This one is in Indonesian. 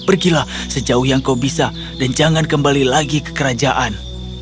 pergilah sejauh yang kau bisa dan jangan kembali lagi ke kerajaan